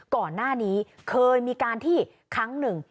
ก่อนหน้านี้เคยมีการที่ครั้งหนึ่ง